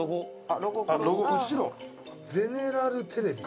「あっロゴ後ろ」「ゼネラルテレビ」